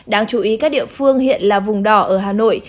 đáng chú ý các địa phương hiện là vùng đỏ ở hà nội